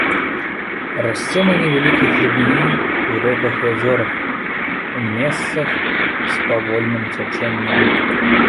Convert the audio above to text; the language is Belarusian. Расце на невялікай глыбіні ў рэках і азёрах, у месцах з павольным цячэннем.